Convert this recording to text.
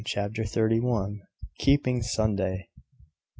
CHAPTER THIRTY ONE. KEEPING SUNDAY.